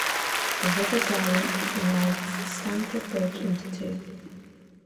The River Derwent divides Stamford Bridge into two.